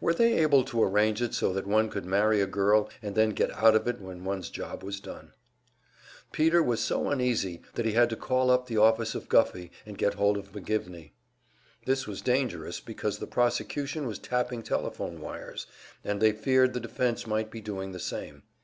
Were they able to arrange it so that one could marry a girl, and then get out of it when one's job was done? Peter was so uneasy that he had to call up the office of Guffey and get hold of McGivney. This was dangerous, because the prosecution was tapping telephone wires, and they feared the defense might be doing the same.